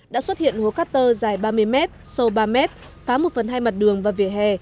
đã xuất hiện hố cát tơ dài ba mươi mét sâu ba mét phá một phần hai mặt đường và vỉa hè